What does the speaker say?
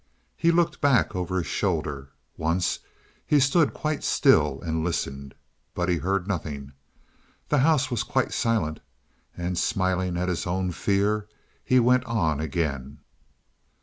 He looked back over his shoulder once he stood quite still and listened. But he heard nothing; the house was quite silent, and smiling at his own fear he went on again.